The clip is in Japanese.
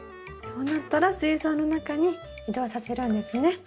そうなったら水槽の中に移動させるんですね？